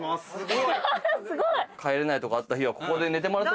すごい！え！